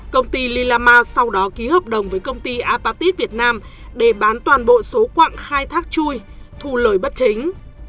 công ty lilama sau đó ký hợp đồng với công ty apatit việt nam để bán toàn bộ số quạng khai thác chui thu lời bất chính